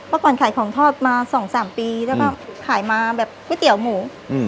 เมื่อก่อนขายของทอดมา๒๓ปีแล้วก็ขายมาแบบก๋วยเตี๋ยวหมู